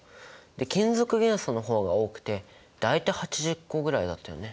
金属元素の方が多くて大体８０個ぐらいだったよね。